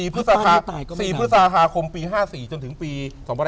ปุ๊ตเต้าผู้ตายก็ไม่ได้๔พฤษภาคมปี๕๔จนถึงปี๒๕๕๕